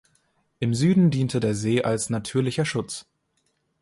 Im Süden diente der See als natürlicher Schutz.